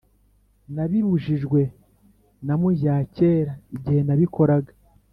Nabibujijwe na mujyakera igihe nabikoraga